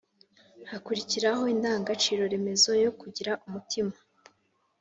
hakurikiraho indangagaciro remezo yo «kugira umutima». i